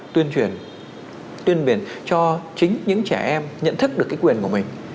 tuyên truyền tuyên biển cho chính những trẻ em nhận thức được cái quyền của mình